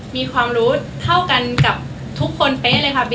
มีความรู้เท่ากันกับทุกคนเป๊ะเลยค่ะ